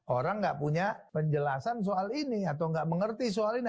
orang nggak punya penjelasan soal ini atau nggak mengerti soal ini